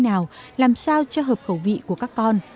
thế nào làm sao cho hợp khẩu vị của các con